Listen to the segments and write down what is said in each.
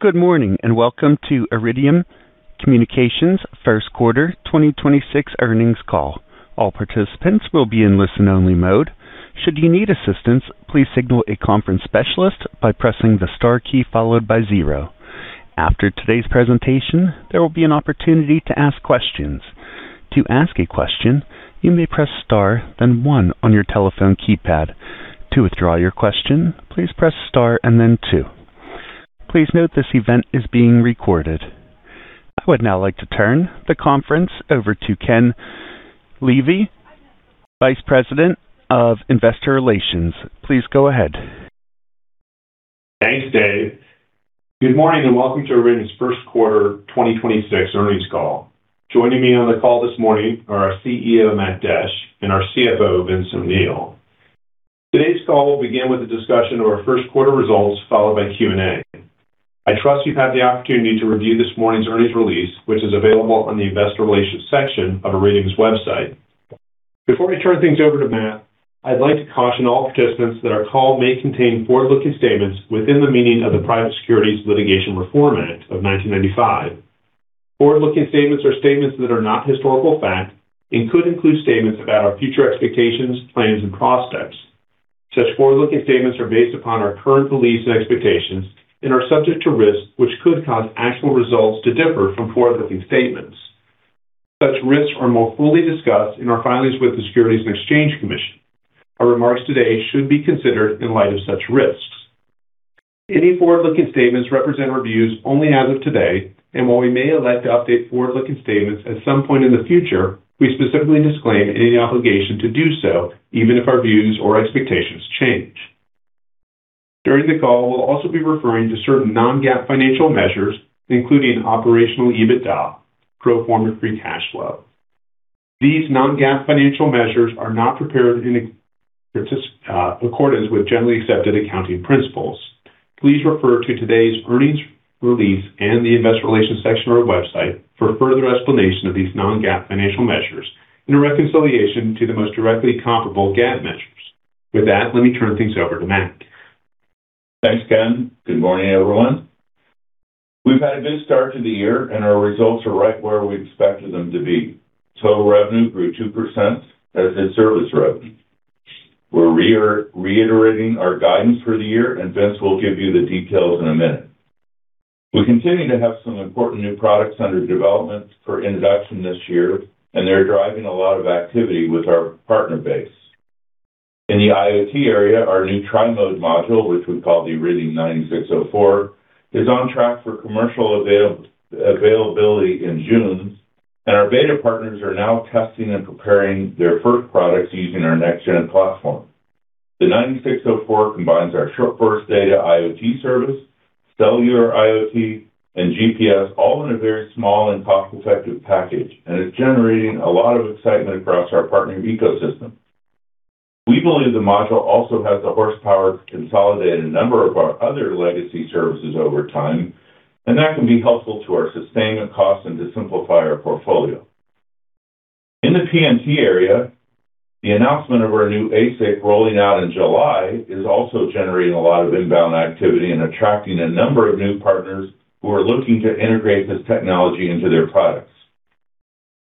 Good morning, and welcome to Iridium Communications' first quarter 2026 earnings call. All participants will be in listen-only mode. Should you need assistance, please signal a conference specialist by pressing the star key followed by zero. After today's presentation, there will be an opportunity to ask questions. To ask a question, you may press star then one on your telephone keypad. To withdraw your question, please press star and then two. Please note this event is being recorded. I would now like to turn the conference over to Ken Levy, Vice President of Investor Relations. Please go ahead. Thanks, Dave. Good morning, and welcome to Iridium's first quarter 2026 earnings call. Joining me on the call this morning are our CEO, Matt Desch, and our CFO, Vince O'Neill. Today's call will begin with a discussion of our first quarter results, followed by Q&A. I trust you've had the opportunity to review this morning's earnings release, which is available on the Investor Relations section of Iridium's website. Before I turn things over to Matt, I'd like to caution all participants that our call may contain forward-looking statements within the meaning of the Private Securities Litigation Reform Act of 1995. Forward-looking statements are statements that are not historical fact and could include statements about our future expectations, plans, and prospects. Such forward-looking statements are based upon our current beliefs and expectations and are subject to risks which could cause actual results to differ from forward-looking statements. Such risks are more fully discussed in our filings with the Securities and Exchange Commission. Our remarks today should be considered in light of such risks. Any forward-looking statements represent our views only as of today, and while we may elect to update forward-looking statements at some point in the future, we specifically disclaim any obligation to do so, even if our views or expectations change. During the call, we'll also be referring to certain non-GAAP financial measures, including Operational EBITDA, Pro Forma Free Cash Flow. These non-GAAP financial measures are not prepared in accordance with generally accepted accounting principles. Please refer to today's earnings release and the investor relations section of our website for further explanation of these non-GAAP financial measures and a reconciliation to the most directly comparable GAAP measures. With that, let me turn things over to Matt. Thanks, Ken. Good morning, everyone. We've had a good start to the year, and our results are right where we expected them to be. Total revenue grew 2%, as did service revenue. We're reiterating our guidance for the year, and Vince will give you the details in a minute. We continue to have some important new products under development for introduction this year, and they're driving a lot of activity with our partner base. In the IoT area, our new tri-mode module, which we call the Iridium 9604, is on track for commercial availability in June, and our beta partners are now testing and preparing their first products using our next-gen platform. The 9604 combines our Short Burst Data IoT service, cellular IoT, and GPS all in a very small and cost-effective package and is generating a lot of excitement across our partner ecosystem. We believe the module also has the horsepower to consolidate a number of our other legacy services over time, and that can be helpful to our sustaining costs and to simplify our portfolio. In the PNT area, the announcement of our new ASIC rolling out in July is also generating a lot of inbound activity and attracting a number of new partners who are looking to integrate this technology into their products.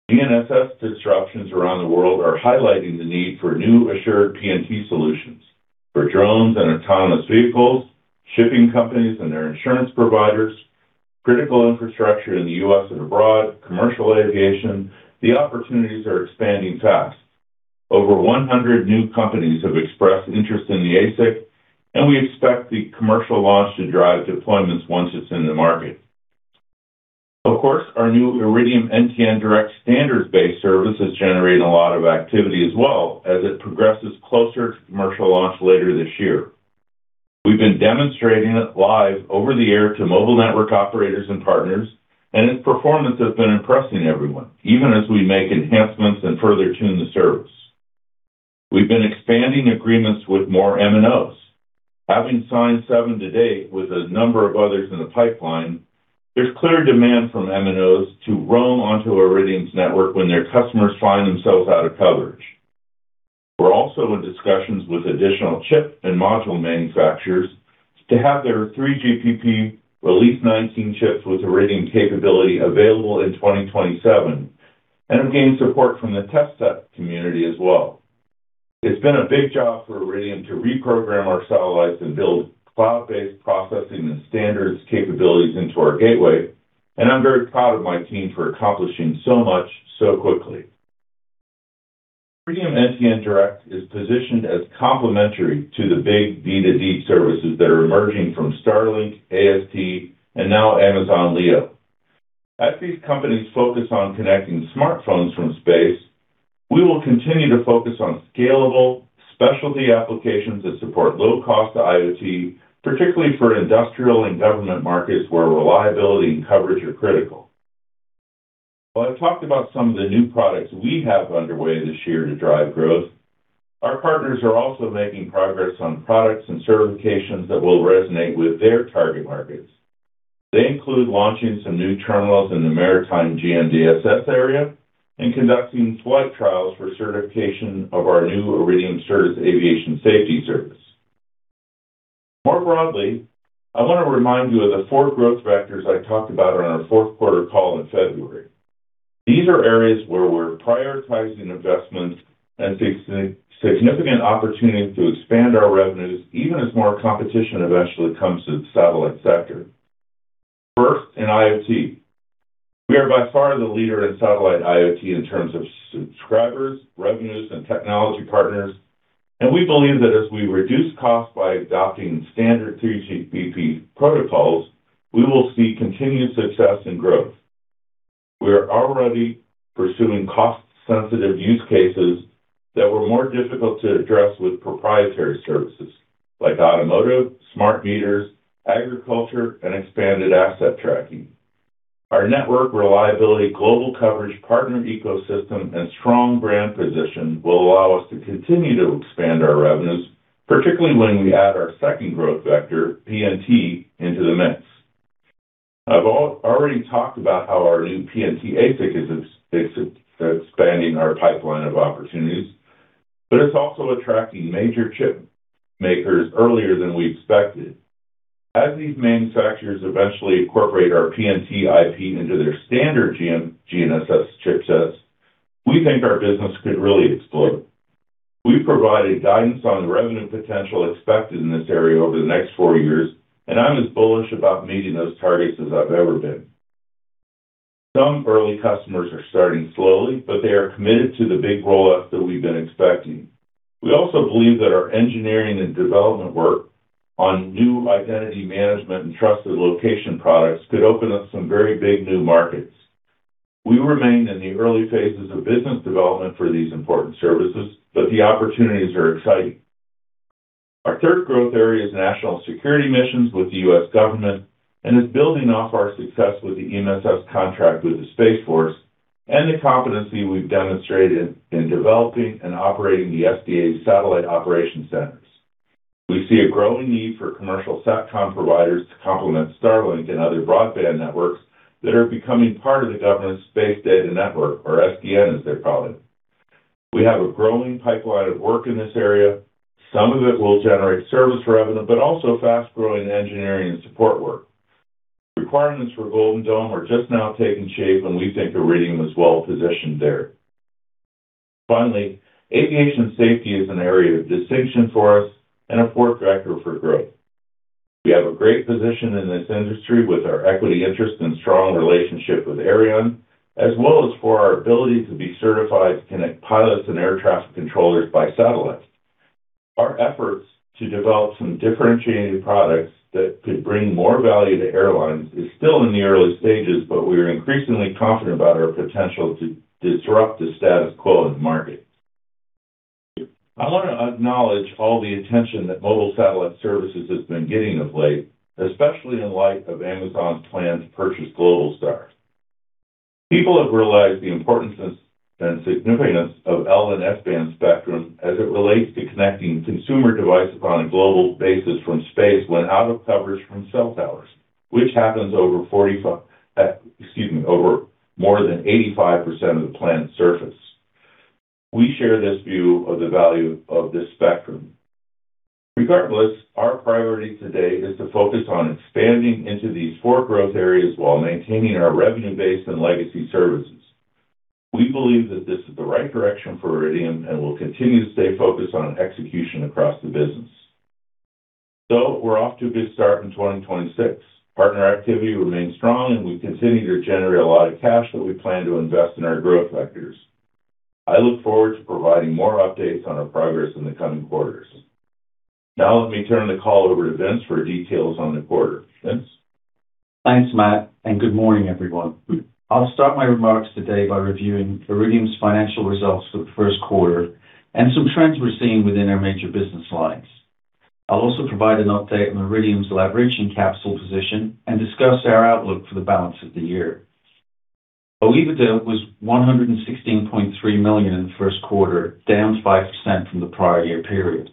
GNSS disruptions around the world are highlighting the need for new assured PNT solutions for drones and autonomous vehicles, shipping companies and their insurance providers, critical infrastructure in the U.S. and abroad, commercial aviation. The opportunities are expanding fast. Over 100 new companies have expressed interest in the ASIC, and we expect the commercial launch to drive deployments once it's in the market. Of course, our new Iridium NTN Direct standards-based service is generating a lot of activity as well as it progresses closer to commercial launch later this year. We've been demonstrating it live over the air to mobile network operators and partners, and its performance has been impressing everyone, even as we make enhancements and further tune the service. We've been expanding agreements with more MNOs. Having signed seven to date with a number of others in the pipeline, there's clear demand from MNOs to roam onto Iridium's network when their customers find themselves out of coverage. We're also in discussions with additional chip and module manufacturers to have their 3GPP Release 19 chips with Iridium capability available in 2027 and are gaining support from the test set community as well. It's been a big job for Iridium to reprogram our satellites and build cloud-based processing and standards capabilities into our gateway, and I'm very proud of my team for accomplishing so much so quickly. Iridium NTN Direct is positioned as complementary to the big B2B services that are emerging from Starlink, AST, and now Amazon Leo. As these companies focus on connecting smartphones from space, we will continue to focus on scalable specialty applications that support low-cost IoT, particularly for industrial and government markets where reliability and coverage are critical. While I've talked about some of the new products we have underway this year to drive growth, our partners are also making progress on products and certifications that will resonate with their target markets. They include launching some new terminals in the maritime GNSS area. And conducting flight trials for certification of our new Iridium Certus aviation safety service. More broadly, I want to remind you of the four growth vectors I talked about on our fourth quarter call in February. These are areas where we're prioritizing investments and seeing significant opportunity to expand our revenues, even as more competition eventually comes to the satellite sector. First, in IoT. We are by far the leader in satellite IoT in terms of subscribers, revenues, and technology partners, and we believe that as we reduce costs by adopting standard 3GPP protocols, we will see continued success and growth. We are already pursuing cost-sensitive use cases that were more difficult to address with proprietary services like automotive, smart meters, agriculture, and expanded asset tracking. Our network reliability, global coverage, partner ecosystem, and strong brand position will allow us to continue to expand our revenues, particularly when we add our second growth vector, PNT, into the mix. I've already talked about how our new PNT ASIC is expanding our pipeline of opportunities, but it's also attracting major chip makers earlier than we expected. As these manufacturers eventually incorporate our PNT IP into their standard GNSS chipsets, we think our business could really explode. We've provided guidance on the revenue potential expected in this area over the next four years, and I'm as bullish about meeting those targets as I've ever been. Some early customers are starting slowly, but they are committed to the big roll-ups that we've been expecting. We also believe that our engineering and development work on new identity management and trusted location products could open up some very big new markets. We remain in the early phases of business development for these important services, but the opportunities are exciting. Our third growth area is national security missions with the U.S. government and is building off our success with the EMSS contract with the Space Force and the competency we've demonstrated in developing and operating the SDA's satellite operation centers. We see a growing need for commercial SATCOM providers to complement Starlink and other broadband networks that are becoming part of the government's Space Data Network, or SDN as they call it. We have a growing pipeline of work in this area. Some of it will generate service revenue, but also fast-growing engineering and support work. Requirements for Golden Dome are just now taking shape, and we think Iridium is well-positioned there. Finally, aviation safety is an area of distinction for us and a core factor for growth. We have a great position in this industry with our equity interest and strong relationship with Aireon, as well as for our ability to be certified to connect pilots and air traffic controllers by satellite. Our efforts to develop some differentiating products that could bring more value to airlines is still in the early stages, but we are increasingly confident about our potential to disrupt the status quo in the market. I want to acknowledge all the attention that mobile satellite services has been getting of late, especially in light of Amazon's plan to purchase Globalstar. People have realized the importance and significance of L-band and S-band spectrum as it relates to connecting consumer devices on a global basis from space when out of coverage from cell towers, which happens over more than 85% of the planet's surface. We share this view of the value of this spectrum. Regardless, our priority today is to focus on expanding into these four growth areas while maintaining our revenue base and legacy services. We believe that this is the right direction for Iridium and will continue to stay focused on execution across the business. We're off to a good start in 2026. Partner activity remains strong and we continue to generate a lot of cash that we plan to invest in our growth vectors. I look forward to providing more updates on our progress in the coming quarters. Now let me turn the call over to Vince for details on the quarter. Vince? Thanks, Matt, and good morning, everyone. I'll start my remarks today by reviewing Iridium's financial results for the first quarter and some trends we're seeing within our major business lines. I'll also provide an update on Iridium's leverage and capital position and discuss our outlook for the balance of the year. OIBDA was $116.3 million in the first quarter, down 5% from the prior year period.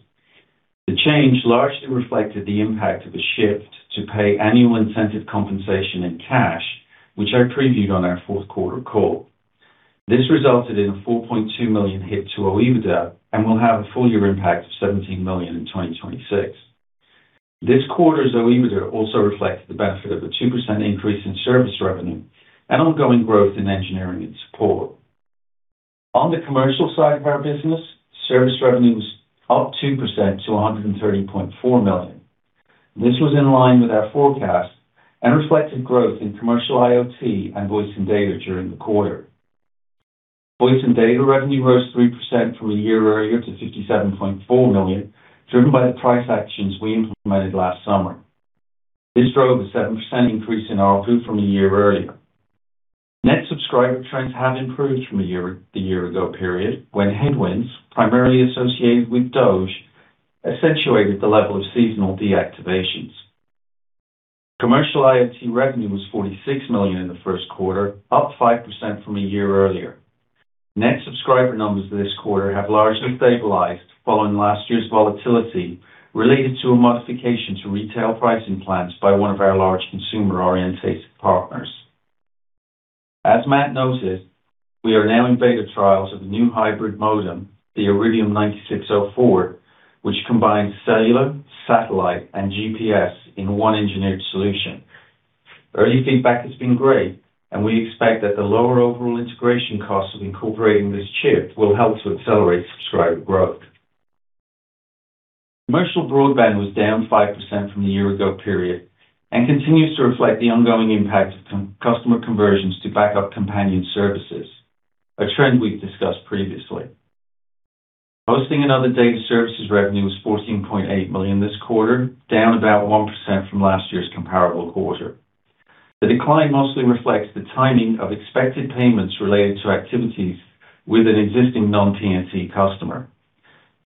The change largely reflected the impact of a shift to pay annual incentive compensation in cash, which I previewed on our fourth quarter call. This resulted in a $4.2 million hit to OIBDA and will have a full-year impact of $17 million in 2026. This quarter's OIBDA also reflects the benefit of a 2% increase in service revenue and ongoing growth in engineering and support. On the commercial side of our business, service revenue was up 2% to $130.4 million. This was in line with our forecast and reflected growth in commercial IoT and voice and data during the quarter. Voice and data revenue rose 3% from a year earlier to $57.4 million, driven by the price actions we implemented last summer. This drove a 7% increase in ARPU from a year earlier. Net subscriber trends have improved from the year ago period when headwinds, primarily associated with DOGE, accentuated the level of seasonal deactivations. Commercial IoT revenue was $46 million in the first quarter, up 5% from a year earlier. Net subscriber numbers this quarter have largely stabilized following last year's volatility related to a modification to retail pricing plans by one of our large consumer-oriented partners. As Matt noted, we are now in beta trials of the new hybrid modem, the Iridium 9604, which combines cellular, satellite, and GPS in one engineered solution. Early feedback has been great, and we expect that the lower overall integration costs of incorporating this chip will help to accelerate subscriber growth. Commercial broadband was down 5% from the year ago period, and continues to reflect the ongoing impact of customer conversions to backup companion services, a trend we've discussed previously. Hosting and other data services revenue was $14.8 million this quarter, down about 1% from last year's comparable quarter. The decline mostly reflects the timing of expected payments related to activities with an existing non-PNT customer.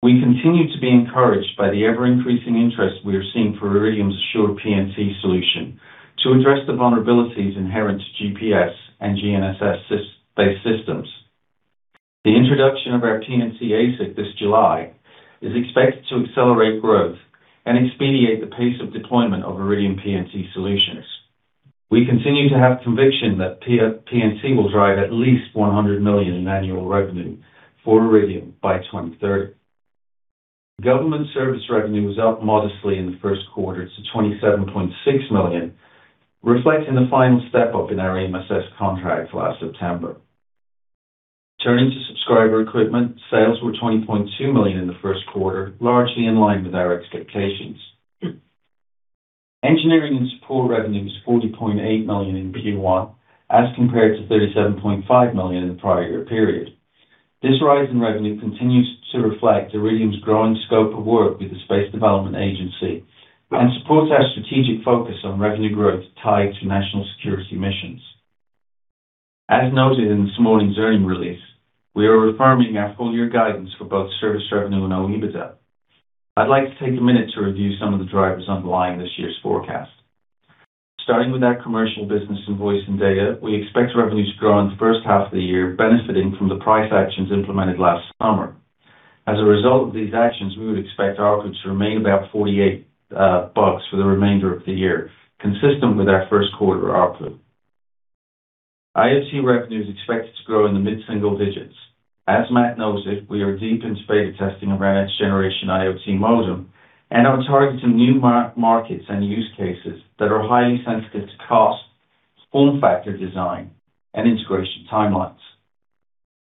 We continue to be encouraged by the ever-increasing interest we are seeing for Iridium's assured PNT solution to address the vulnerabilities inherent to GPS and GNSS-based systems. The introduction of our PNT ASIC this July is expected to accelerate growth and expedite the pace of deployment of Iridium PNT solutions. We continue to have conviction that PNT will drive at least $100 million in annual revenue for Iridium by 2030. Government service revenue was up modestly in the first quarter to $27.6 million, reflecting the final step-up in our MSS contract last September. Turning to subscriber equipment, sales were $20.2 million in the first quarter, largely in line with our expectations. Engineering and support revenue was $40.8 million in Q1 as compared to $37.5 million in the prior year period. This rise in revenue continues to reflect Iridium's growing scope of work with the Space Development Agency and supports our strategic focus on revenue growth tied to national security missions. As noted in this morning's earnings release, we are affirming our full-year guidance for both service revenue and OIBDA. I'd like to take a minute to review some of the drivers underlying this year's forecast. Starting with our commercial business in voice and data, we expect revenue to grow in the first half of the year, benefiting from the price actions implemented last summer. As a result of these actions, we would expect ARPU to remain about $48 for the remainder of the year, consistent with our first quarter ARPU. IoT revenue is expected to grow in the mid-single digits. As Matt noted, we are deep into beta testing of our next-generation IoT modem and are targeting new markets and use cases that are highly sensitive to cost, form factor design, and integration timelines.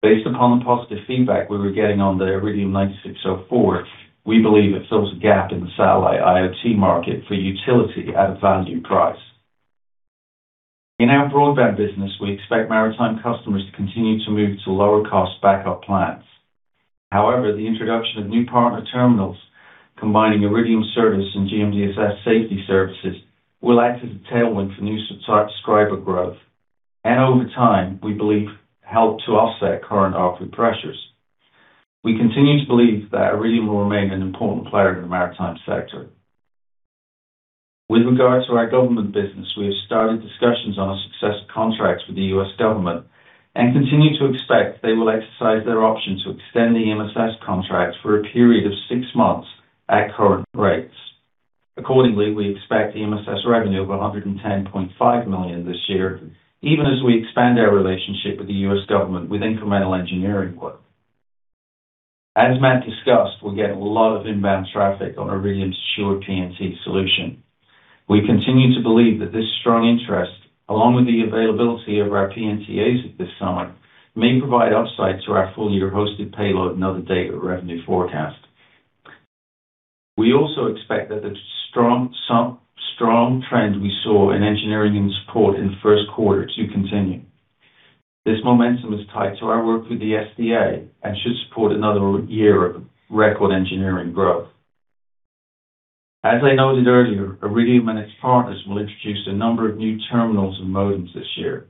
Based upon the positive feedback we were getting on the Iridium 9604, we believe it fills a gap in the satellite IoT market for utility at a value price. In our broadband business, we expect maritime customers to continue to move to lower-cost backup plans. However, the introduction of new partner terminals combining Iridium service and GMDSS safety services will act as a tailwind for new subscriber growth and, over time, we believe help to offset current ARPU pressures. We continue to believe that Iridium will remain an important player in the maritime sector. With regard to our government business, we have started discussions on a success contract with the U.S. government and continue to expect they will exercise their option to extend the MSS contract for a period of six months at current rates. Accordingly, we expect the MSS revenue of $110.5 million this year, even as we expand our relationship with the U.S. government with incremental engineering work. As Matt discussed, we get a lot of inbound traffic on Iridium's secure PNT solution. We continue to believe that this strong interest, along with the availability of our PNT ASIC this summer, may provide upside to our full-year hosted payload and other data revenue forecast. We also expect that the strong trend we saw in engineering and support in the first quarter to continue. This momentum is tied to our work with the SDA and should support another year of record engineering growth. As I noted earlier, Iridium and its partners will introduce a number of new terminals and modems this year.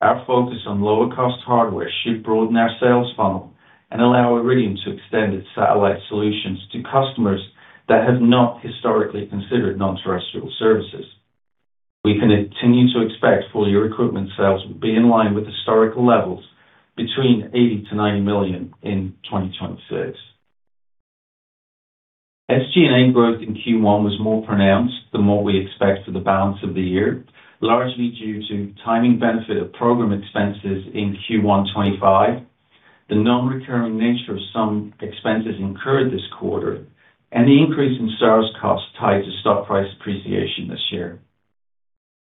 Our focus on lower-cost hardware should broaden our sales funnel and allow Iridium to extend its satellite solutions to customers that have not historically considered non-terrestrial services. We continue to expect full-year equipment sales will be in line with historical levels between $80 million-$90 million in 2026. SG&A growth in Q1 was more pronounced than what we expect for the balance of the year, largely due to timing benefit of program expenses in Q1 2025, the non-recurring nature of some expenses incurred this quarter, and the increase in service costs tied to stock price appreciation this year.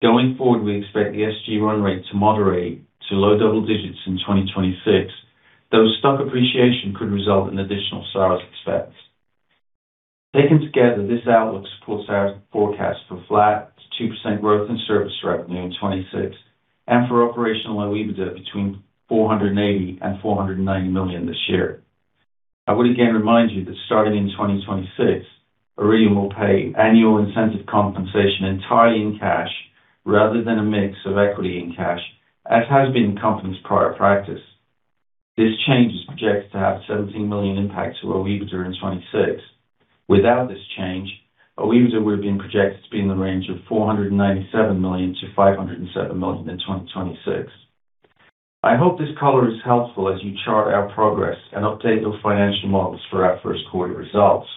Going forward, we expect the SG run rate to moderate to low double digits in 2026, though stock appreciation could result in additional SARS expense. Taken together, this outlook supports our forecast for flat to 2% growth in service revenue in 2026 and for operational OIBDA between $480 million and $490 million this year. I would again remind you that starting in 2026, Iridium will pay annual incentive compensation entirely in cash rather than a mix of equity and cash, as has been the company's prior practice. This change is projected to have a $17 million impact to OIBDA in 2026. Without this change, OIBDA would have been projected to be in the range of $497 million-$507 million in 2026. I hope this color is helpful as you chart our progress and update those financial models for our first quarter results.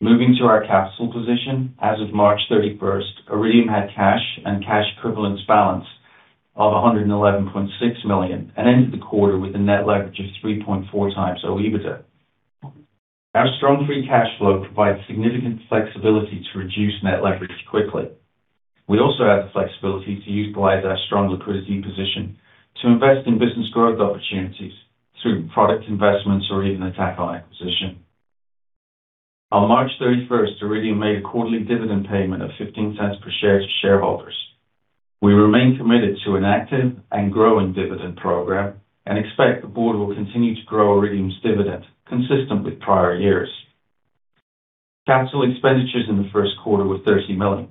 Moving to our capital position. As of March 31st, Iridium had cash and cash equivalents balance of $111.6 million and ended the quarter with a net leverage of 3.4x OIBDA. Our strong free cash flow provides significant flexibility to reduce net leverage quickly. We also have the flexibility to utilize our strong liquidity position to invest in business growth opportunities through product investments or even a tack-on acquisition. On March 31st, Iridium made a quarterly dividend payment of $0.15 per share to shareholders. We remain committed to an active and growing dividend program and expect the board will continue to grow Iridium's dividend consistent with prior years. Capital expenditures in the first quarter were $30 million.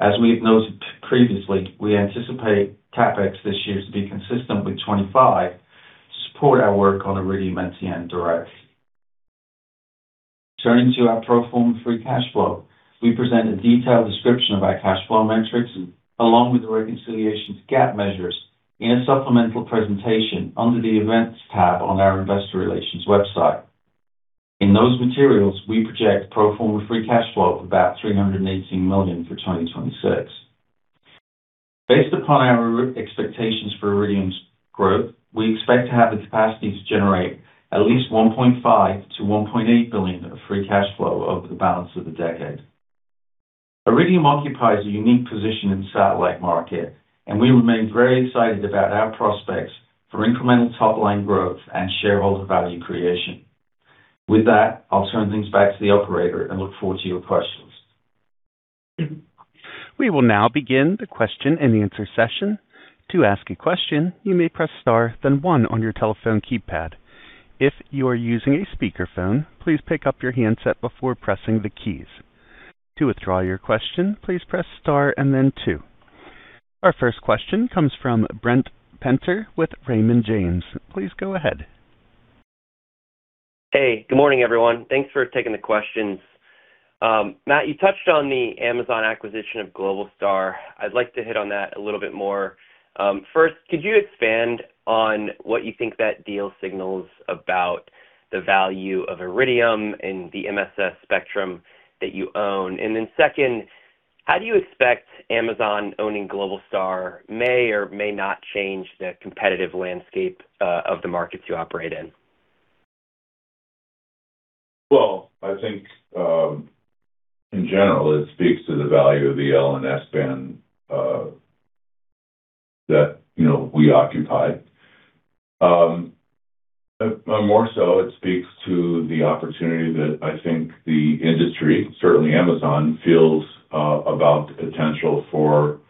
As we have noted previously, we anticipate CapEx this year to be consistent with $25 million to support our work on Iridium NTN Direct. Turning to our pro forma free cash flow, we present a detailed description of our cash flow metrics, along with the reconciliation to GAAP measures in a supplemental presentation under the Events tab on our investor relations website. In those materials, we project pro forma free cash flow of about $318 million for 2026. Based upon our expectations for Iridium's growth, we expect to have the capacity to generate at least $1.5 billion-$1.8 billion of free cash flow over the balance of the decade. Iridium occupies a unique position in the satellite market, and we remain very excited about our prospects for incremental top-line growth and shareholder value creation. With that, I'll turn things back to the operator and look forward to your questions. We will now begin the question and answer session. To ask a question, you may press star then one on your telephone keypad. If you are using a speakerphone, please pick up your handset before pressing the keys. To withdraw your question, please press star and then two. Our first question comes from Ric Prentiss with Raymond James. Please go ahead. Hey, good morning, everyone. Thanks for taking the questions. Matt, you touched on the Amazon acquisition of Globalstar. I'd like to hit on that a little bit more. First, could you expand on what you think that deal signals about the value of Iridium and the MSS spectrum that you own? Second, how do you expect Amazon owning Globalstar may or may not change the competitive landscape of the markets you operate in? Well, I think, in general, it speaks to the value of the L-band and S-band that we occupy. More so, it speaks to the opportunity that I think the industry, certainly Amazon, feels about the potential for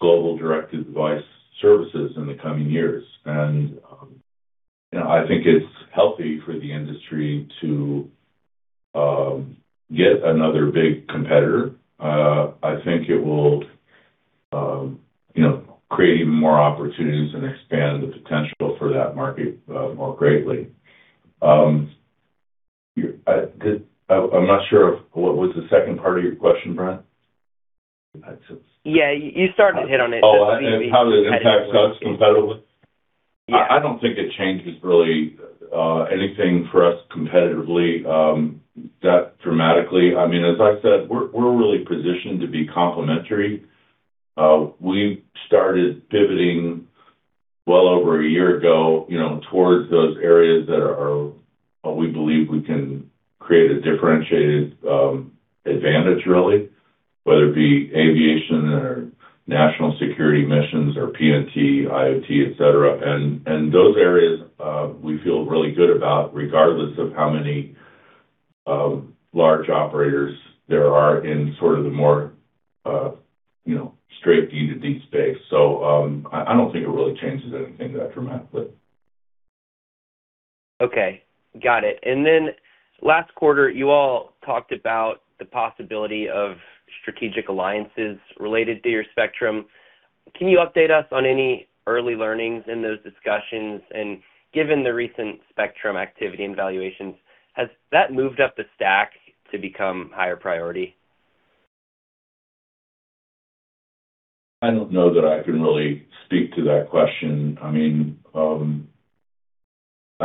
global direct-to-device services in the coming years. I think it's healthy for the industry to get another big competitor. I think it will create even more opportunities and expand the potential for that market more greatly. I'm not sure. What was the second part of your question, Prent? Yeah, you started to hit on it. Oh, how does it impact us competitively? Yeah. I don't think it changes really anything for us competitively that dramatically. As I said, we're really positioned to be complementary. We started pivoting well over a year ago towards those areas that we believe we can create a differentiated advantage, really, whether it be aviation or national security missions or PNT, IoT, et cetera. Those areas we feel really good about, regardless of how many large operators there are in sort of the more straight D2D space. I don't think it really changes anything that dramatically. Okay. Got it. Last quarter, you all talked about the possibility of strategic alliances related to your spectrum. Can you update us on any early learnings in those discussions? Given the recent spectrum activity and valuations, has that moved up the stack to become higher priority? I don't know that I can really speak to that question. I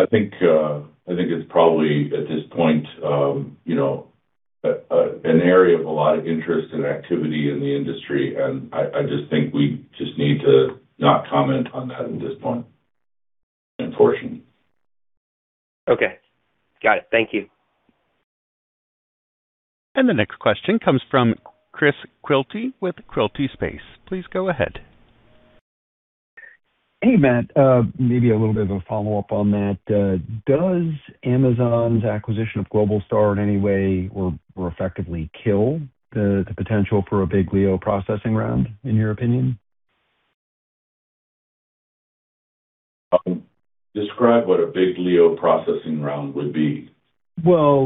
think it's probably at this point an area of a lot of interest and activity in the industry, and I just think we just need to not comment on that at this point, unfortunately. Okay. Got it. Thank you. The next question comes from Chris Quilty with Quilty Space. Please go ahead. Hey, Matt. Maybe a little bit of a follow-up on that. Does Amazon's acquisition of Globalstar in any way or effectively kill the potential for a big LEO financing round, in your opinion? Describe what a big LEO processing round would be. Well,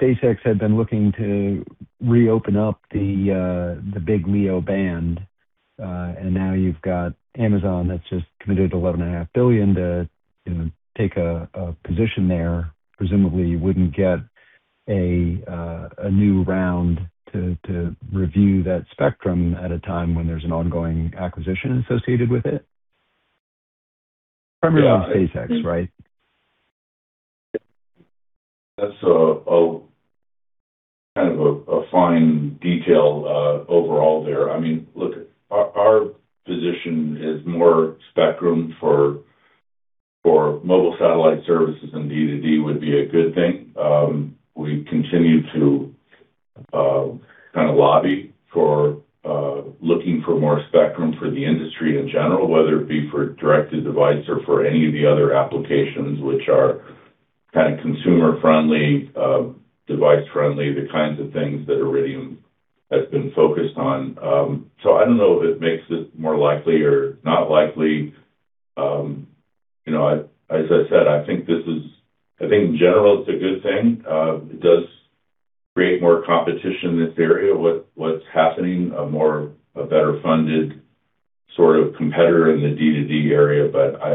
SpaceX had been looking to reopen up the big LEO band. Now you've got Amazon that's just committed $11.5 billion to take a position there. Presumably, you wouldn't get a new round to review that spectrum at a time when there's an ongoing acquisition associated with it. Primarily SpaceX, right? That's a fine detail overall there. Look, our position is more spectrum for mobile satellite services and D2D would be a good thing. We continue to lobby for looking for more spectrum for the industry in general, whether it be for direct-to-device or for any of the other applications which are consumer friendly, device friendly, the kinds of things that Iridium has been focused on. I don't know if it makes it more likely or not likely. As I said, I think in general, it's a good thing. It does create more competition in this area with what's happening, a better funded sort of competitor in the D2D area.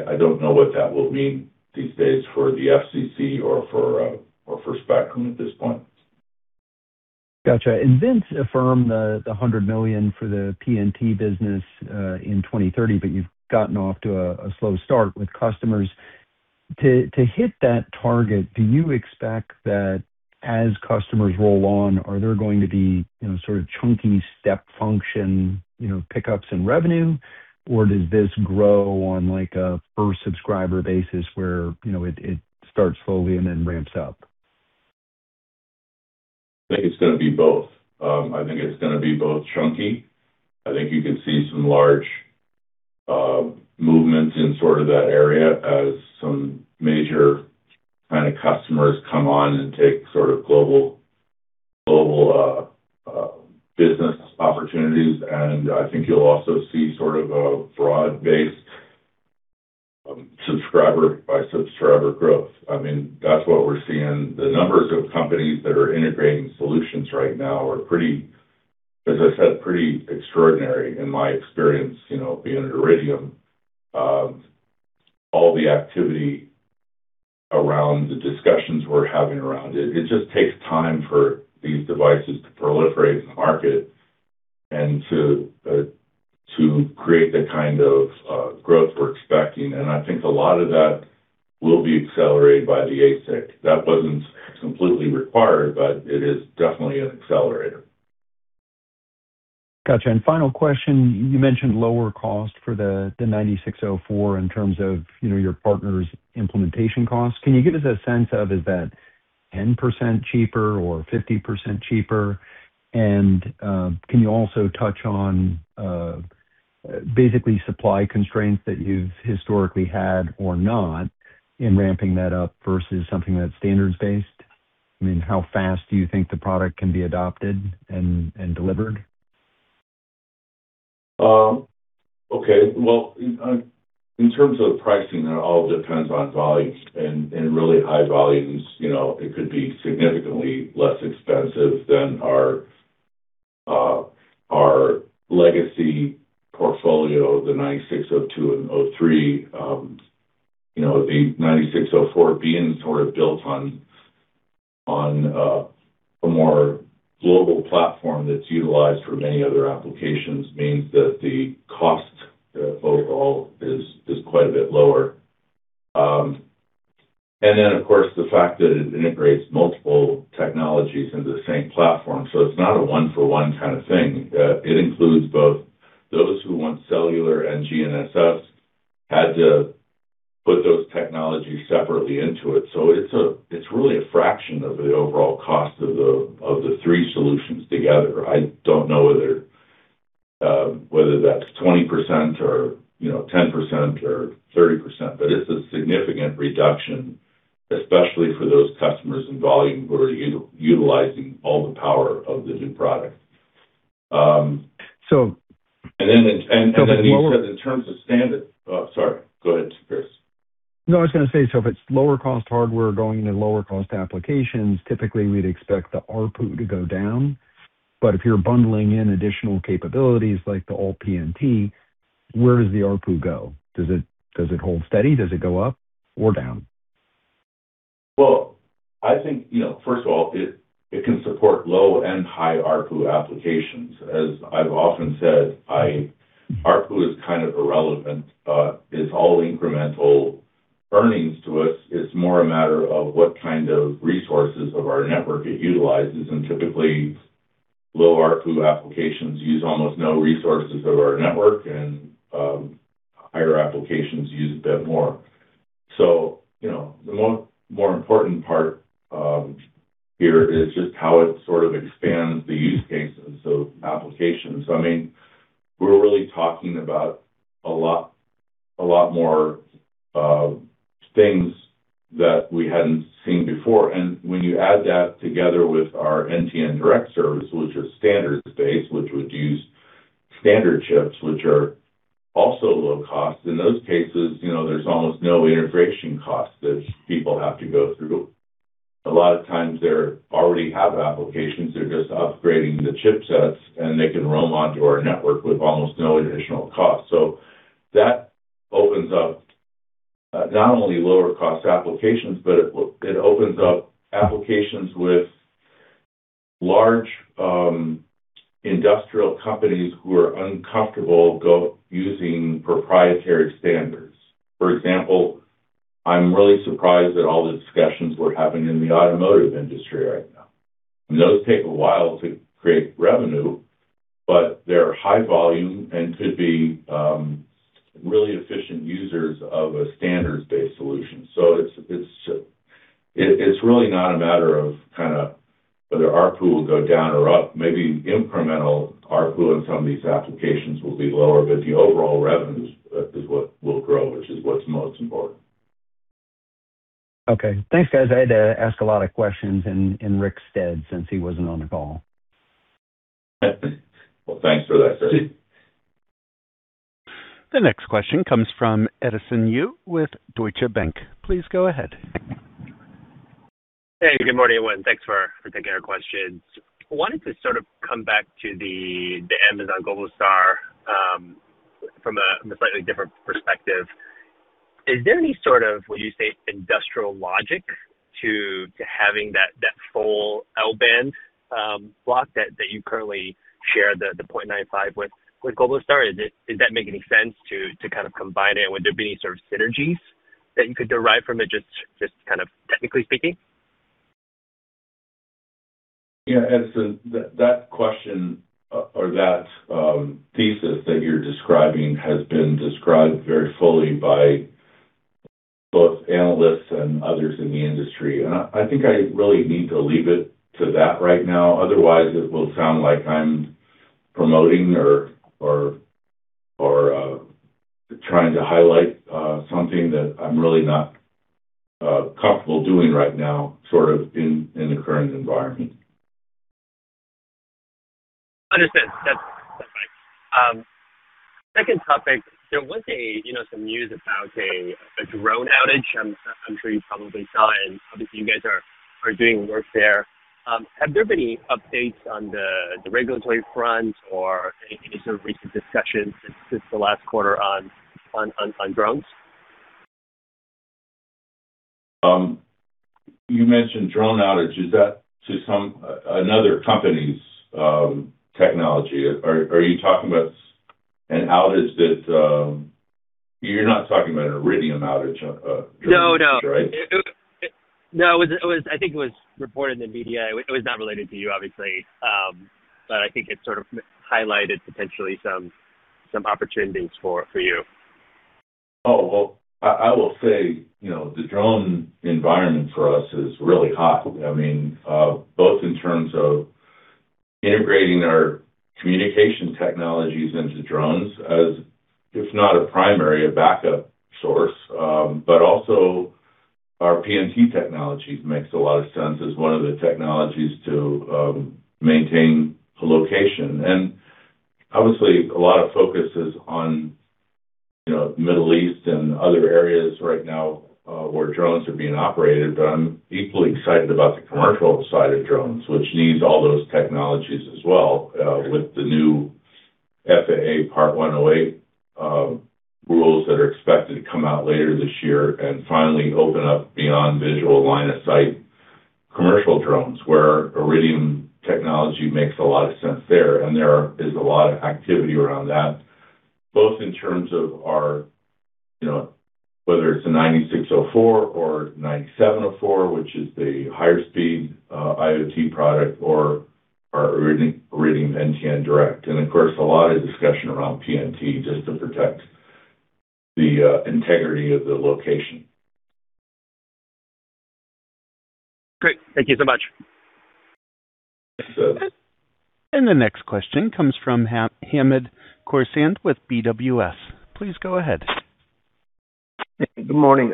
I don't know what that will mean these days for the FCC or for spectrum at this point. Got you. Vince affirmed the $100 million for the PNT business in 2030, but you've gotten off to a slow start with customers. To hit that target, do you expect that as customers roll on, are there going to be chunky step function pickups in revenue, or does this grow on a per subscriber basis where it starts slowly and then ramps up? I think it's going to be both chunky. I think you can see some large movements in that area as some major kind of customers come on and take global business opportunities. I think you'll also see a broad-based subscriber by subscriber growth. That's what we're seeing. The numbers of companies that are integrating solutions right now are, as I said, pretty extraordinary in my experience being at Iridium. All the activity around the discussions we're having around it. It just takes time for these devices to proliferate in the market and to create the kind of growth we're expecting. I think a lot of that will be accelerated by the ASIC. That wasn't completely required, but it is definitely an accelerator. Got you. Final question, you mentioned lower cost for the 9604 in terms of your partner's implementation costs. Can you give us a sense of, is that 10% cheaper or 50% cheaper? And can you also touch on basically supply constraints that you've historically had or not in ramping that up versus something that's standards-based? How fast do you think the product can be adopted and delivered? Okay. Well, in terms of pricing, it all depends on volumes. In really high volumes, it could be significantly less expensive than our legacy portfolio, the 9602 and 03. The 9604 being sort of built on a more global platform that's utilized for many other applications means that the cost overall is quite a bit lower. And then, of course, the fact that it integrates multiple technologies into the same platform. So it's not a one for one kind of thing. It includes both those who want cellular and GNSS, had to put those technologies separately into it. So it's really a fraction of the overall cost of the three solutions together. I don't know whether that's 20% or 10% or 30%, but it's a significant reduction, especially for those customers in volume who are utilizing all the power of the new product. So- Oh, sorry. Go ahead, Chris. No, I was going to say, so if it's lower cost hardware going into lower cost applications, typically we'd expect the ARPU to go down. If you're bundling in additional capabilities like the all PNT, where does the ARPU go? Does it hold steady? Does it go up or down? Well, I think, first of all, it can support low and high ARPU applications. As I've often said, ARPU is kind of irrelevant. It's all incremental earnings to us. It's more a matter of what kind of resources of our network it utilizes, and typically, low ARPU applications use almost no resources of our network, and higher applications use a bit more. The more important part here is just how it sort of expands the use cases of applications. We're really talking about a lot more things that we hadn't seen before. When you add that together with our NTN Direct service, which is standards-based, which would use standard chips, which are also low cost. In those cases, there's almost no integration cost that people have to go through. A lot of times they already have applications, they're just upgrading the chipsets, and they can roam onto our network with almost no additional cost. That opens up not only lower cost applications, but it opens up applications with large industrial companies who are uncomfortable using proprietary standards. For example, I'm really surprised at all the discussions we're having in the automotive industry right now. Those take a while to create revenue, but they're high volume and could be really efficient users of a standards-based solution. It's really not a matter of whether our pool will go down or up. Maybe incremental ARPU on some of these applications will be lower, but the overall revenues is what will grow, which is what's most important. Okay, thanks, guys. I had to ask a lot of questions in Ric's stead since he wasn't on the call. Well, thanks for that, Chris Quilty. The next question comes from Edison Yu with Deutsche Bank. Please go ahead. Hey, good morning, everyone. Thanks for taking our questions. I wanted to sort of come back to the Amazon Globalstar from a slightly different perspective. Is there any sort of, would you say, industrial logic to having that full L-band block that you currently share the .95 with Globalstar? Does that make any sense to kind of combine it? Would there be any sort of synergies that you could derive from it, just technically speaking? Yeah, Edison, that question or that thesis that you're describing has been described very fully by both analysts and others in the industry, and I think I really need to leave it to that right now. Otherwise, it will sound like I'm promoting or trying to highlight something that I'm really not comfortable doing right now, sort of in the current environment. Understood. That's fine. Second topic, there was some news about a drone outage, I'm sure you probably saw, and obviously you guys are doing work there. Have there been any updates on the regulatory front or any sort of recent discussions since the last quarter on drones? You mentioned drone outage. Is that to another company's technology? You're not talking about an Iridium outage? No. Right? No, I think it was reported in the media. It was not related to you, obviously. I think it sort of highlighted potentially some opportunities for you. Oh, well, I will say, the drone environment for us is really hot. Both in terms of integrating our communication technologies into drones as, if not a primary, a backup source. Also our PNT technology makes a lot of sense as one of the technologies to maintain a location. Obviously a lot of focus is on Middle East and other areas right now, where drones are being operated. I'm equally excited about the commercial side of drones, which needs all those technologies as well, with the new FAA Part 108 rules that are expected to come out later this year and finally open up beyond visual line of sight commercial drones, where Iridium technology makes a lot of sense there. There is a lot of activity around that, both in terms of our, whether it's a 9604 or 9704, which is the higher speed IoT product, or our Iridium NTN Direct. Of course, a lot of discussion around PNT just to protect the integrity of the location. Great. Thank you so much. Thanks, Edison. The next question comes from Hamed Khorsand with BWS. Please go ahead. Good morning.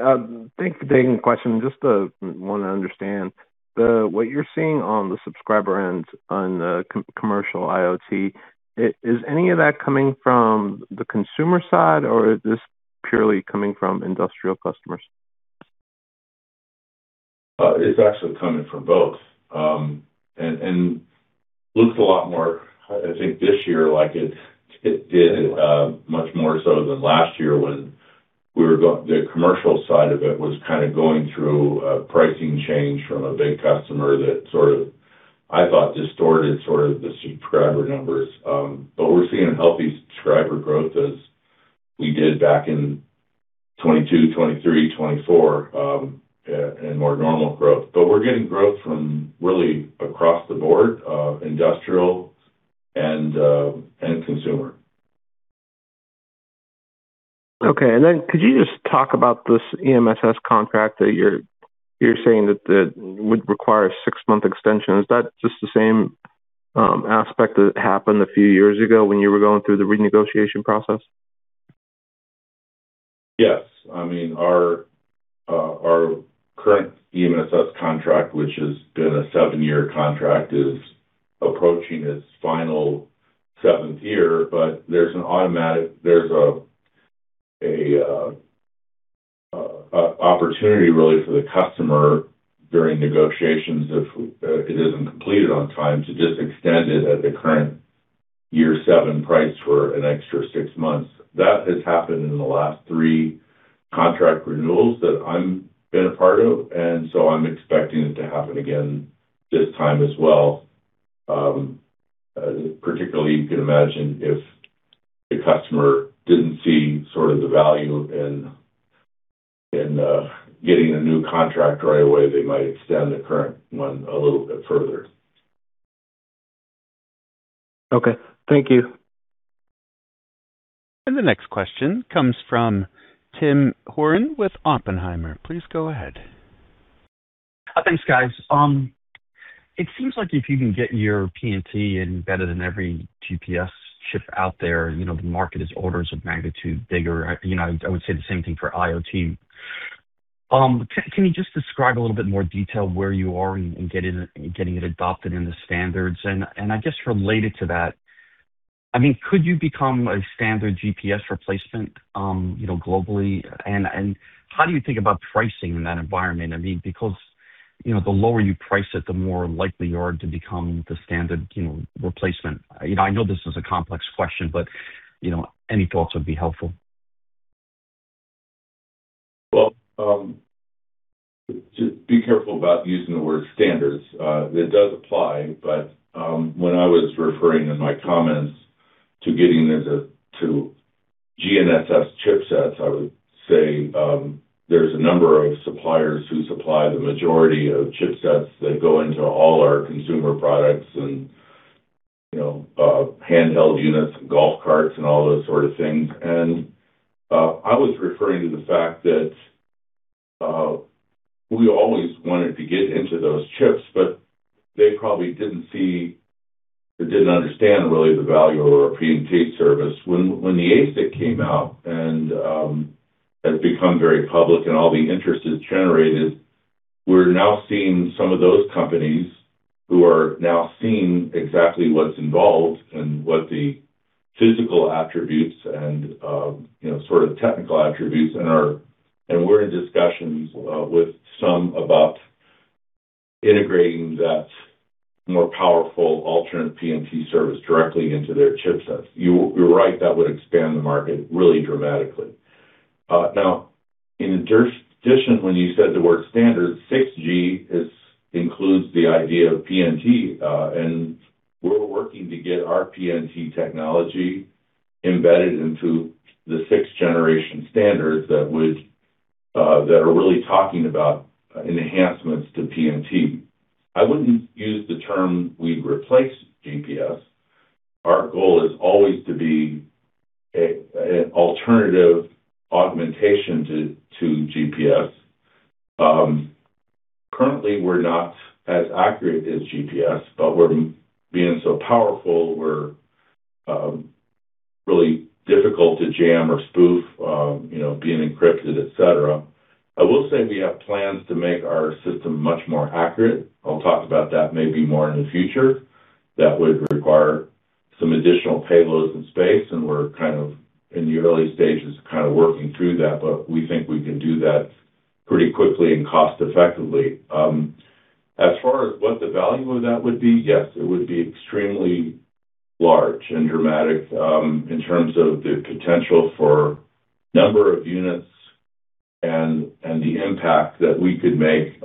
Thanks for taking the question. Just want to understand what you're seeing on the subscriber end on commercial IoT. Is any of that coming from the consumer side, or is this purely coming from industrial customers? It's actually coming from both, and looks a lot more, I think, this year, like it did much more so than last year when the commercial side of it was kind of going through a pricing change from a big customer that sort of, I thought, distorted the subscriber numbers. We're seeing a healthy subscriber growth as we did back in 2022, 2023, 2024, and more normal growth. We're getting growth from really across the board, industrial and consumer. Okay. Could you just talk about this EMSS contract that you're saying that would require a six month extension? Is that just the same aspect that happened a few years ago when you were going through the renegotiation process? Yes. Our current EMSS contract, which has been a seven year contract, is approaching its final seventh year. There's an automatic opportunity really for the customer during negotiations, if it isn't completed on time, to just extend it at the current year seven price for an extra six months. That has happened in the last three contract renewals that I've been a part of, and so I'm expecting it to happen again this time as well. Particularly, you can imagine if the customer didn't see sort of the value in getting a new contract right away, they might extend the current one a little bit further. Okay, thank you. The next question comes from Tim Horan with Oppenheimer. Please go ahead. Thanks, guys. It seems like if you can get your PNT embedded in every GPS chip out there, the market is orders of magnitude bigger. I would say the same thing for IoT. Can you just describe a little bit more detail where you are in getting it adopted in the standards? And I guess related to that, could you become a standard GPS replacement globally? And how do you think about pricing in that environment? Because the lower you price it, the more likely you are to become the standard replacement. I know this is a complex question, but any thoughts would be helpful. Well, be careful about using the word standards. It does apply, but when I was referring in my comments to getting into GNSS chipsets, I would say, there's a number of suppliers who supply the majority of chipsets that go into all our consumer products and handheld units and golf carts and all those sort of things. I was referring to the fact that we always wanted to get into those chips, but they probably didn't see or didn't understand really the value of our PNT service. When the ASIC came out and has become very public and all the interest is generated, we're now seeing some of those companies who are now seeing exactly what's involved and what the physical attributes and sort of technical attributes and we're in discussions with some about integrating that more powerful alternate PNT service directly into their chipsets. You're right, that would expand the market really dramatically. Now, in addition, when you said the word standard, 6G includes the idea of PNT, and we're working to get our PNT technology embedded into the sixth generation standards that are really talking about enhancements to PNT. I wouldn't use the term we replace GPS. Our goal is always to be an alternative augmentation to GPS. Currently, we're not as accurate as GPS, but we're so powerful, we're really difficult to jam or spoof, being encrypted, et cetera. I will say we have plans to make our system much more accurate. I'll talk about that maybe more in the future. That would require some additional payloads in space, and we're kind of in the early stages of working through that, but we think we can do that pretty quickly and cost effectively. As far as what the value of that would be, yes, it would be extremely large and dramatic in terms of the potential for number of units and the impact that we could make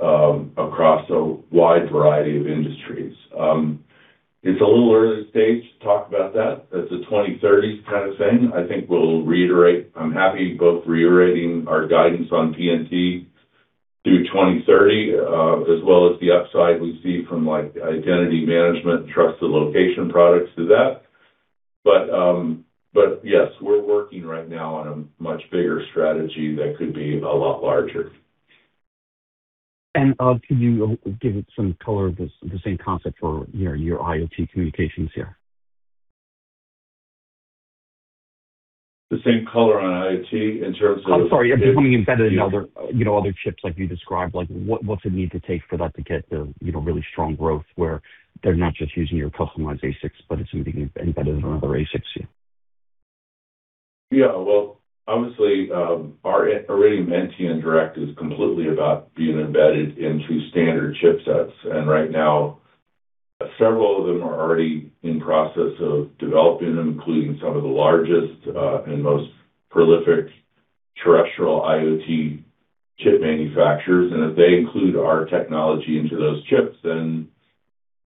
across a wide variety of industries. It's a little early stage to talk about that. That's a 2030 kind of thing. I think we'll reiterate. I'm happy both reiterating our guidance on PNT through 2030, as well as the upside we see from identity management, trusted location products to that. Yes, we're working right now on a much bigger strategy that could be a lot larger. Can you give it some color, the same concept for your IoT communications here? The same color on IoT in terms of. I'm sorry, it's becoming embedded in other chips like you described. What is it going to take for that to get the really strong growth where they're not just using your customized ASICs, but it's something embedded in other ASICs? Yeah. Well, obviously, already Iridium NTN Direct is completely about being embedded into standard chipsets. Right now, several of them are already in process of developing them, including some of the largest and most prolific terrestrial IoT chip manufacturers. If they include our technology into those chips, then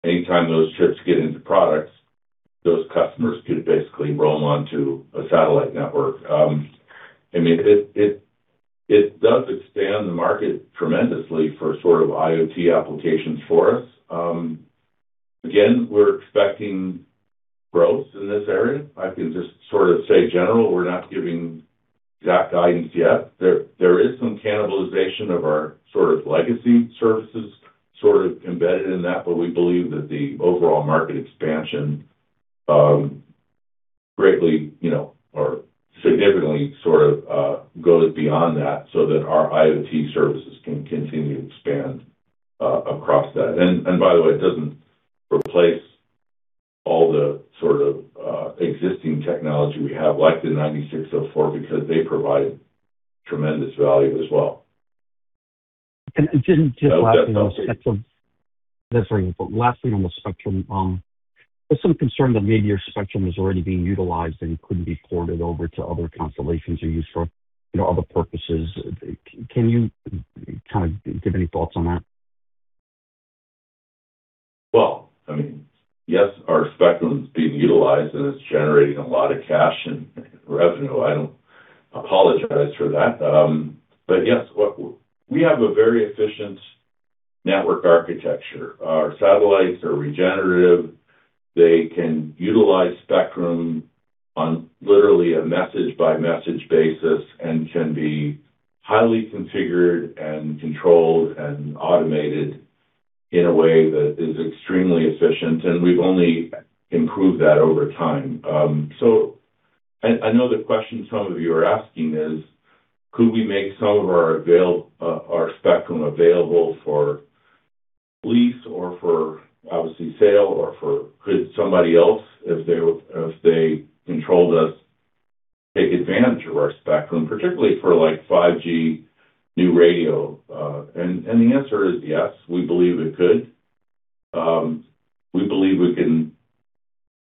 anytime those chips get into products, those customers could basically roam onto a satellite network. It does expand the market tremendously for sort of IoT applications for us. Again, we're expecting growth in this area. I can just sort of say in general, we're not giving exact guidance yet. There is some cannibalization of our sort of legacy services sort of embedded in that, but we believe that the overall market expansion greatly or significantly sort of goes beyond that so that our IoT services can continue to expand across that. By the way, it doesn't replace all the sort of existing technology we have, like the 9604, because they provide tremendous value as well. Just lastly on the spectrum. There's some concern that maybe your spectrum is already being utilized and couldn't be ported over to other constellations or used for other purposes. Can you give any thoughts on that? Well, yes, our spectrum's being utilized and it's generating a lot of cash and revenue. I don't apologize for that. Yes, we have a very efficient network architecture. Our satellites are regenerative. They can utilize spectrum on literally a message-by-message basis and can be highly configured and controlled and automated in a way that is extremely efficient, and we've only improved that over time. I know the question some of you are asking is, could we make some of our spectrum available for lease or for, obviously, sale? Could somebody else, if they controlled us, take advantage of our spectrum, particularly for 5G New Radio? The answer is yes, we believe it could. We believe we can,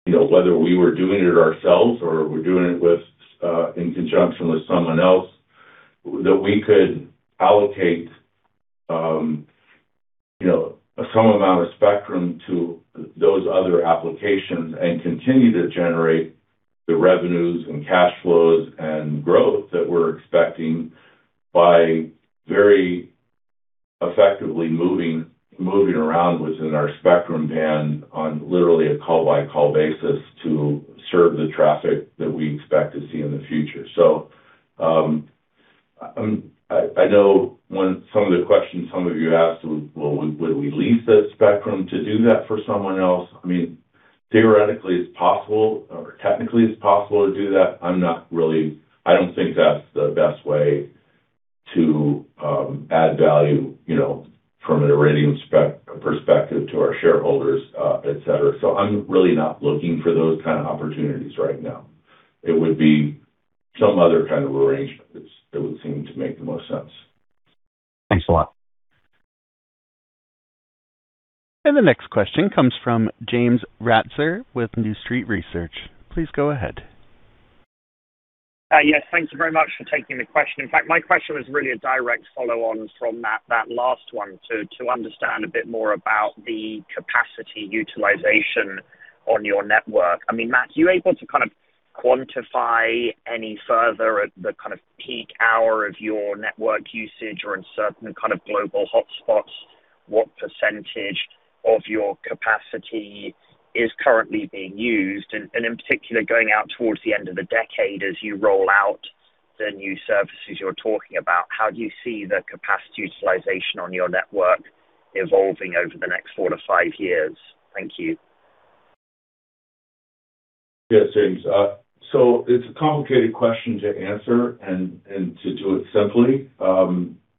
whether we were doing it ourselves or we're doing it in conjunction with someone else, that we could allocate some amount of spectrum to those other applications and continue to generate the revenues and cash flows and growth that we're expecting by very effectively moving around within our spectrum band on literally a call-by-call basis to serve the traffic that we expect to see in the future. I know when some of the questions some of you asked, would we lease that spectrum to do that for someone else? Theoretically it's possible, or technically it's possible to do that. I don't think that's the best way to add value from an Iridium perspective to our shareholders, et cetera. I'm really not looking for those kind of opportunities right now. It would be some other kind of arrangement that would seem to make the most sense. Thanks a lot. The next question comes from James Ratzer with New Street Research. Please go ahead. Yes, thank you very much for taking the question. In fact, my question was really a direct follow-on from that last one, to understand a bit more about the capacity utilization on your network. Matt, are you able to quantify any further the peak hour of your network usage or in certain kind of global hotspots, what percentage of your capacity is currently being used? In particular, going out towards the end of the decade as you roll out the new services you're talking about, how do you see the capacity utilization on your network evolving over the next four to five years? Thank you. Yes, James. It's a complicated question to answer, and to do it simply,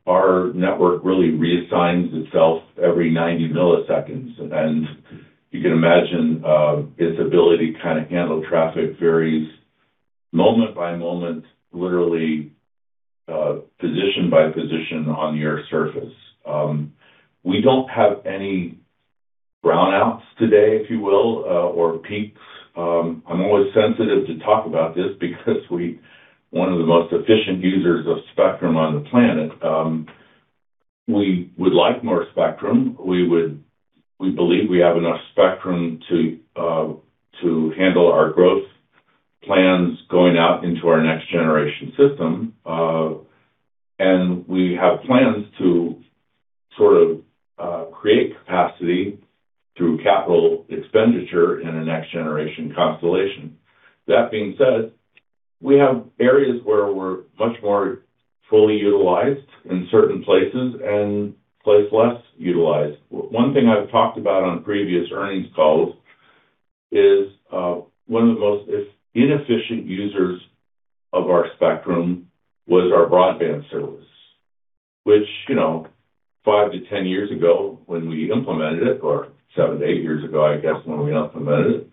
our network really reassigns itself every 90 milliseconds. You can imagine, its ability to handle traffic varies moment by moment, literally, position by position on the Earth's surface. We don't have any brownouts today, if you will, or peaks. I'm always sensitive to talk about this because we're one of the most efficient users of spectrum on the planet. We would like more spectrum. We believe we have enough spectrum to handle our growth plans going out into our next generation system. We have plans to create capacity through capital expenditure in a next generation constellation. That being said, we have areas where we're much more fully utilized in certain places and places less utilized. One thing I've talked about on previous earnings calls is, one of the most inefficient users of our spectrum was our broadband service, which five-10 years ago, when we implemented it, or seven-eight years ago, I guess, when we implemented it,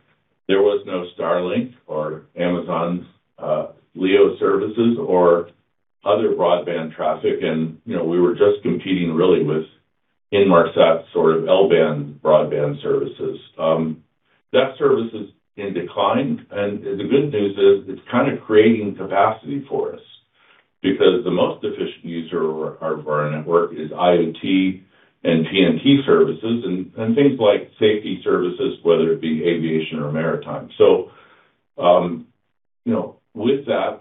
there was no Starlink or Amazon's LEO services or other broadband traffic. We were just competing really with Inmarsat's L-band broadband services. That service is in decline, and the good news is it's creating capacity for us, because the most efficient user of our network is IoT and PNT services, and things like safety services, whether it be aviation or maritime. With that,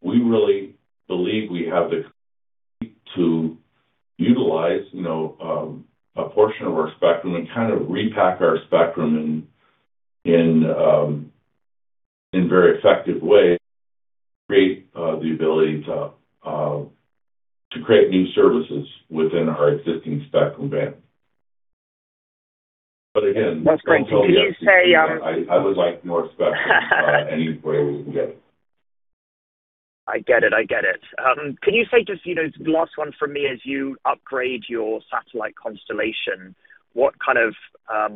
we really believe we have the ability to utilize a portion of our spectrum and kind of repack our spectrum in very effective ways to create new services within our existing spectrum band. That's great. Thank you. I would like more spectrum any way we can get it. I get it. Can you say just, the last one from me, as you upgrade your satellite constellation, what kind of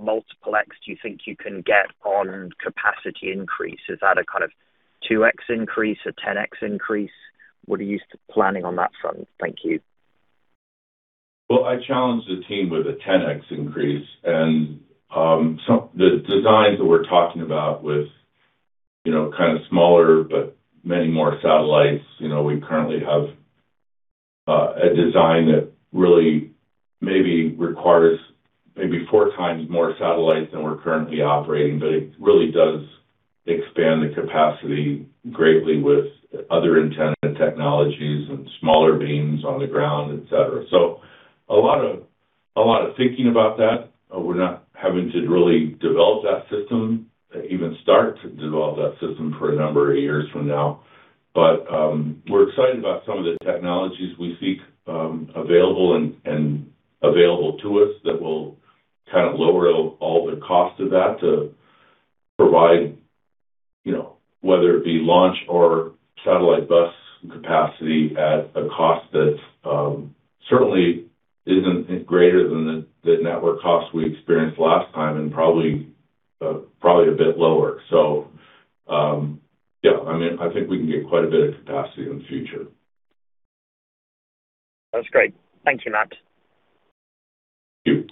multiple x do you think you can get on capacity increase? Is that a kind of 2x increase or 10x increase? What are you planning on that front? Thank you. Well, I challenged the team with a 10x increase, and the designs that we're talking about with smaller but many more satellites. We currently have a design that really requires maybe four times more satellites than we're currently operating, but it really does expand the capacity greatly with other antenna technologies and smaller beams on the ground, et cetera. A lot of thinking about that. We're not having to really develop that system, even start to develop that system, for a number of years from now. We're excited about some of the technologies we see available, and available to us, that will lower all the cost of that to provide, whether it be launch or satellite bus capacity at a cost that, certainly isn't greater than the network cost we experienced last time, and probably a bit lower. Yeah. I think we can get quite a bit of capacity in the future. That's great. Thank you, Matt. Thank you.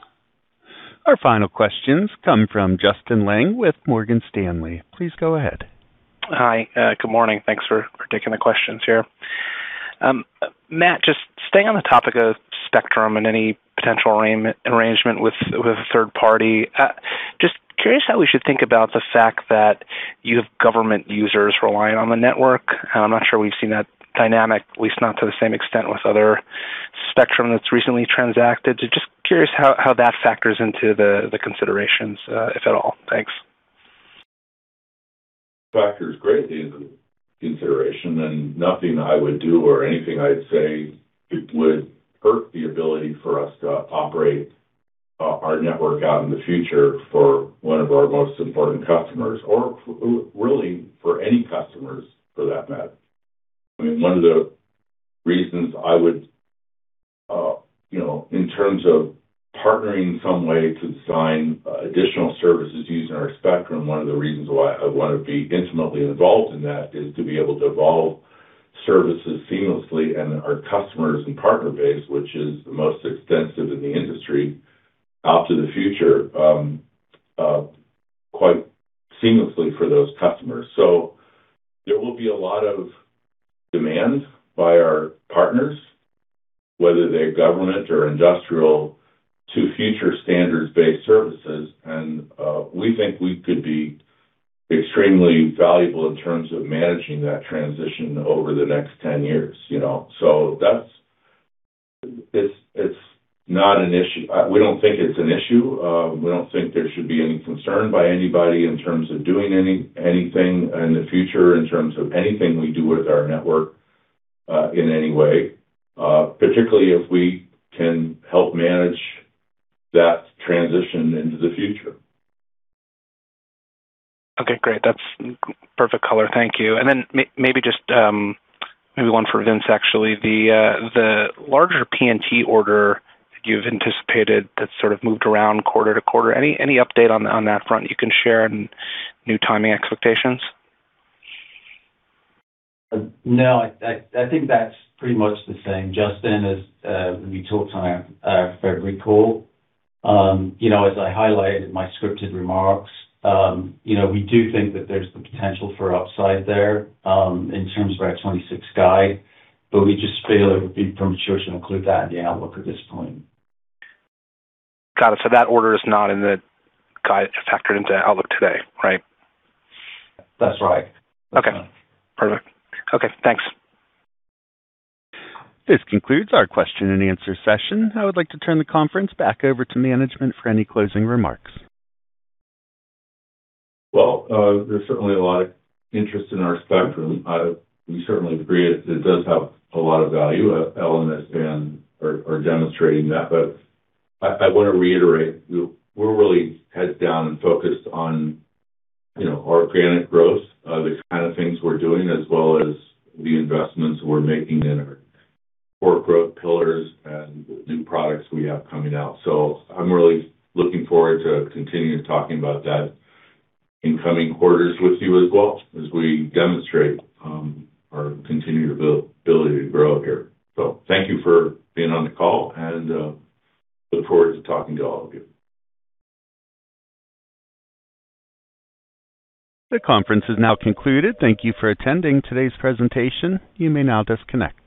Our final questions come from Justin Lang with Morgan Stanley. Please go ahead. Hi. Good morning. Thanks for taking the questions here. Matt, just staying on the topic of spectrum and any potential arrangement with a third party. Just curious how we should think about the fact that you have government users relying on the network. I'm not sure we've seen that dynamic, at least not to the same extent with other spectrum that's recently transacted. Just curious how that factors into the considerations, if at all. Thanks. factors greatly into consideration, and nothing I would do or anything I'd say would hurt the ability for us to operate our network out in the future for one of our most important customers, or really for any customers for that matter. One of the reasons I would, in terms of partnering in some way to design additional services using our spectrum, one of the reasons why I want to be intimately involved in that is to be able to evolve services seamlessly and our customers and partner base, which is the most extensive in the industry, out to the future, quite seamlessly for those customers. There will be a lot of demand by our partners, whether they're government or industrial, for future standards-based services. We think we could be extremely valuable in terms of managing that transition over the next 10 years. It's not an issue. We don't think it's an issue. We don't think there should be any concern by anybody in terms of doing anything in the future, in terms of anything we do with our network, in any way, particularly if we can help manage that transition into the future. Okay, great. That's perfect color. Thank you. Maybe one for Vince, actually. The larger PNT order you've anticipated that sort of moved around quarter to quarter. Any update on that front you can share and new timing expectations? No, I think that's pretty much the same, Justin, as we talked on our February call. As I highlighted in my scripted remarks, we do think that there's the potential for upside there, in terms of our 2026 guide, but we just feel it would be premature to include that in the outlook at this point. Got it. That order is not in the guide, it's factored into the outlook today, right? That's right. Okay, perfect. Okay, thanks. This concludes our question and answer session. I would like to turn the conference back over to management for any closing remarks. Well, there's certainly a lot of interest in our spectrum. We certainly agree it does have a lot of value. L- and S-band are demonstrating that. I want to reiterate, we're really heads down and focused on our organic growth, the kind of things we're doing, as well as the investments we're making in our core growth pillars and new products we have coming out. I'm really looking forward to continue talking about that in coming quarters with you as well as we demonstrate our continued ability to grow here. Thank you for being on the call, and I look forward to talking to all of you. The conference is now concluded. Thank you for attending today's presentation. You may now disconnect.